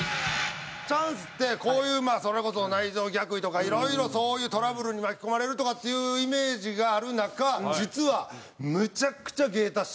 チャンスってこういうまあそれこそ内臓逆位とかいろいろそういうトラブルに巻き込まれるとかっていうイメージがある中実はむちゃくちゃ芸達者。